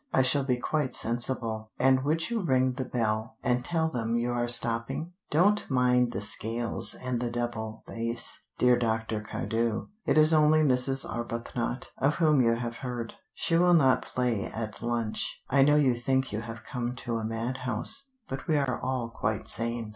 I shall be quite sensible, and would you ring the bell and tell them you are stopping? Don't mind the scales and the double bass, dear Dr. Cardew; it is only Mrs. Arbuthnot, of whom you have heard. She will not play at lunch. I know you think you have come to a mad house, but we are all quite sane.